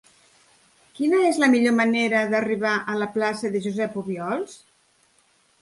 Quina és la millor manera d'arribar a la plaça de Josep Obiols?